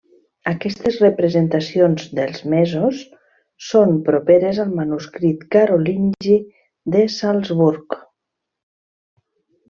Aquestes representacions dels mesos són properes al manuscrit carolingi de Salzburg.